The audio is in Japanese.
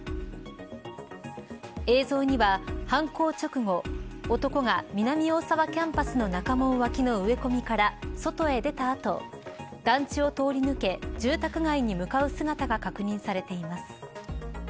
映像には犯行直後男が南大沢キャンパスの中門脇の植え込みから外へ出た後団地を通り抜け住宅街へ向かう姿が確認されています。